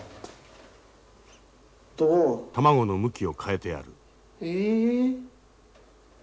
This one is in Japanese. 卵の向きを変えてやる。